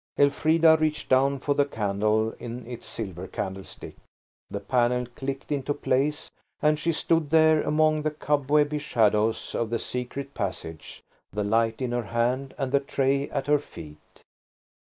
Elfrida reached down for the candle in its silver candlestick, the panel clicked into place, and she stood there among the cobwebby shadows of the secret passage, the light in her hand and the tray at her feet.